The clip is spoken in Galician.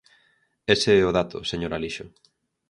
Ese é o dato, señor Alixo.